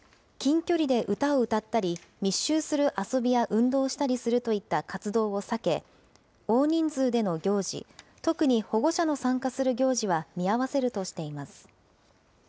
近距離で歌を歌ったり、密集する遊びや運動をしたりするといった活動を避け、大人数での行事、特に保護者の参加する行事は見合わせるとしています。